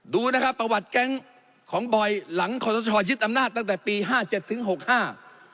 ดูนะครับประวัติแก๊งของบอยหลังขอสชยึดอำนาจตั้งแต่ปีห้าเจ็ดถึงหกห้า